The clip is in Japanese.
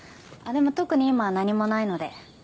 でも特に今は何もないので。